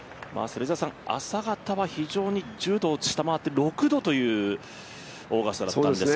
朝方は非常に１０度を下回って、６度というオーガスタだったんですが。